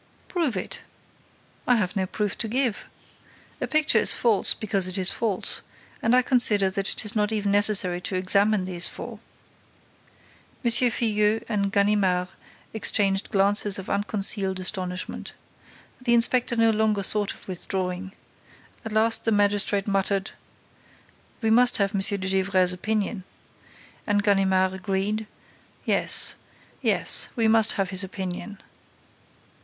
"Prove it!" "I have no proof to give. A picture is false because it is false; and I consider that it is not even necessary to examine these four." M. Filleul and Ganimard exchanged glances of unconcealed astonishment. The inspector no longer thought of withdrawing. At last, the magistrate muttered: "We must have M. de Gesvres's opinion." And Ganimard agreed: "Yes, we must have his opinion."